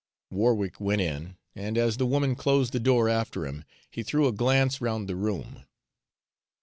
Warwick went in, and as the woman closed the door after him, he threw a glance round the room.